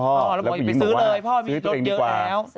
แล้วผู้หญิงบอกว่าซื้อเลยพ่อมีรถเยอะแล้ว